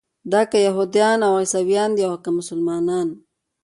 دا که یهودیان او عیسویان دي او که مسلمانان.